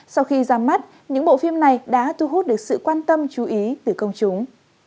sau khi ra mắt những bộ phim này đã thu hút được sự quan tâm chú ý từ công chúng